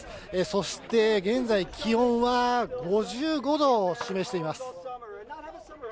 そして、現在、気温は５５度を示しています。